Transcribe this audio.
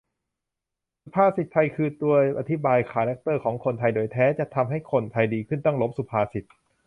สุภาษิตไทยคือตัวอธิบายคาร์แร็คเตอร์ของคนไทยโดยแท้ จะทำให้คนไทยดีขึ้นต้องล้มสุภาษิต